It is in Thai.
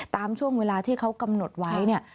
ตามช่วงเวลาที่เขากำหนดไว้เนี่ย